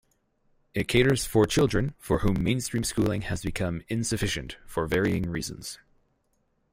It caters for children for whom mainstream schooling has become insufficient, for varying reasons.